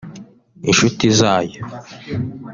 inshuti zayo